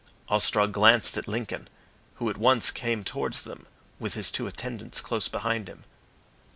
Ostrog glanced at Lincoln, who at once came towards them with his two attendants close behind him.